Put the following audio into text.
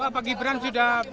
pak ibran sudah